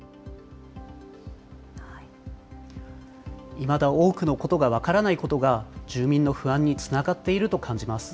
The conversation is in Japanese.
いまだ多くのことが分からないことが、住民の不安につながっていると感じます。